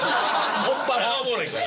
「もっぱら」がおもろいんかな？